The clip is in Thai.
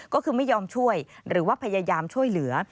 ก็คือไม่ยอมช่วยหรือว่าพยายามช่วยเหลือ